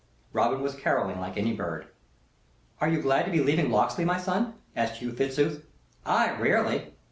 Robin was carolling like any bird. "Are you glad to be leaving Locksley, my son?" asked Hugh Fitzooth. "Ay, rarely!"